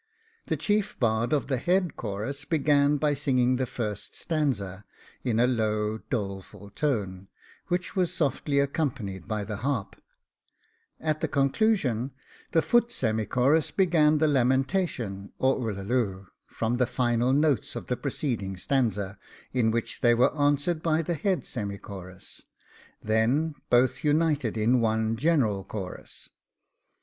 The chief bard of the head chorus began by singing the first stanza, in a low, doleful tone, which was softly accompanied by the harp: at the conclusion, the foot semichorus began the lamentation, or Ullaloo, from the final note of the preceding stanza, in which they were answered by the head semichorus; then both united in one general chorus.